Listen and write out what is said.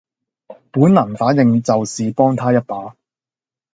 本能反應就是幫她一把